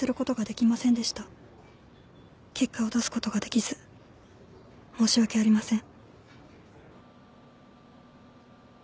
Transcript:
「結果を出すことができず申し訳ありません」